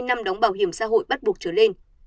năm đóng bảo hiểm xã hội bắt buộc trở lên